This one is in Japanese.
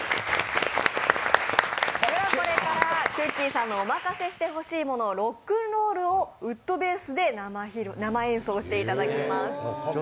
さんのおまかせしてほしいもの、ロックンロールをウッドベースで生演奏していただきます。